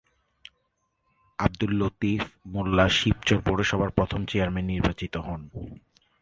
আঃ লতিফ মোল্লা শিবচর পৌরসভার প্রথম চেয়ারম্যান নির্বাচিত হন।